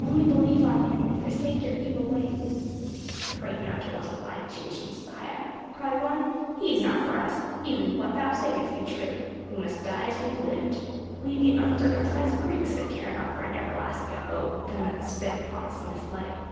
Only believe on him and forsake your evil ways." "Prate not to us of thy Jewish Messiah," cried one. "He is not for us, even if what thou sayest be true. We must die as we have lived. We be uncircumcised Greeks that care not for an everlasting abode with them that spit upon us in this life."